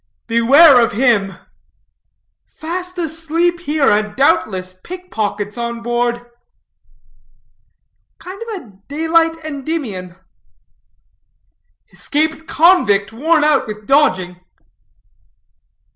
"Beware of him." "Fast asleep here, and, doubtless, pick pockets on board." "Kind of daylight Endymion." "Escaped convict, worn out with dodging."